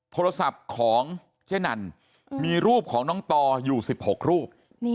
โทรศัพท์ของเจ๊นันมีรูปของน้องต่ออยู่๑๖รูป